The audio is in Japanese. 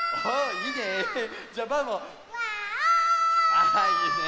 ああいいね！